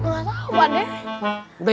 gak tau pak deh